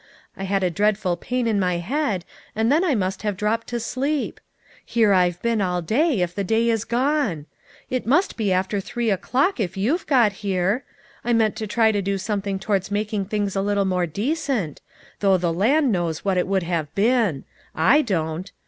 I had a dreadful pain in my head, and then I must have dropped to sleep. Here I've been all day, if the day is gone. It must be after three o'clock if you've got here. I meant to try to do something towards making things a little more decent; though the land knows what it would have been ; I don't.